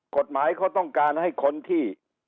กฎหมายเขาต้องการให้คนที่